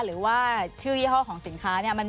หรือว่าชื่อยี่ห้อของสินค้าเนี่ย